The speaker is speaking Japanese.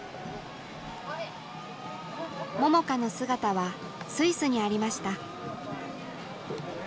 桃佳の姿はスイスにありました。